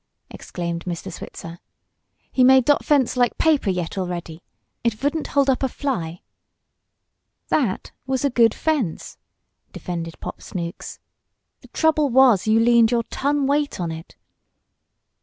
exclaimed Mr. Switzer. "He made dot fence like paper yet alretty! It vouldn't holt up a fly!" "That was a good fence!" defended Pop Snooks. "The trouble was you leaned your ton weight on it."